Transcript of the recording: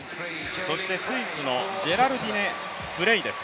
そしてスイスのジェラルディネ・フレイです。